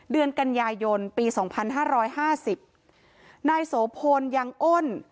เดือนกันยายนปีสองพันห้าร้อยห้าสิบนายโสพลยังอ้น